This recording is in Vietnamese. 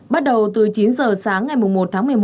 bắt đầu từ chín giờ sáng ngày một tháng một mươi một